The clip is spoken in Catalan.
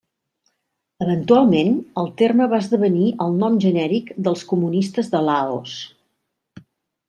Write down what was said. Eventualment, el terme va esdevenir el nom genèric dels comunistes de Laos.